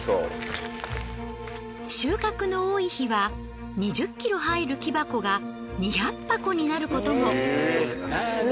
収穫の多い日は２０ｋｇ入る木箱が２００箱になることも。